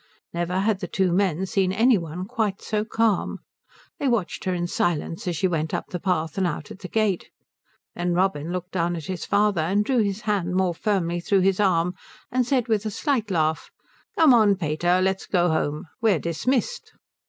Never had the two men seen any one quite so calm. They watched her in silence as she went up the path and out at the gate; then Robin looked down at his father and drew his hand more firmly through his arm and said with a slight laugh, "Come on, pater, let's go home. We're dismissed."